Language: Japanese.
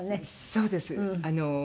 そうです。